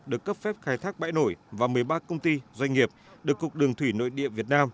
được cấp phép khai thác bãi nổi và một mươi ba công ty doanh nghiệp được cục đường thủy nội địa việt nam